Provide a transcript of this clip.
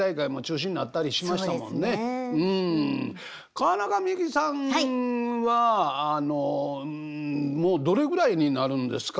川中美幸さんはもうどれぐらいになるんですか？